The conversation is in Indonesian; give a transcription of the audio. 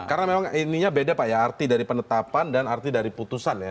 karena memang ininya beda pak ya arti dari penetapan dan arti dari putusan ya